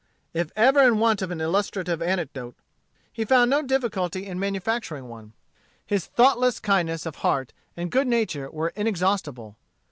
If ever in want of an illustrative anecdote he found no difficulty in manufacturing one. His thoughtless kindness of heart and good nature were inexhaustible.